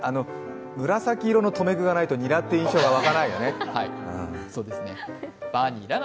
紫色の留め具がないとにらという印象わかないよね。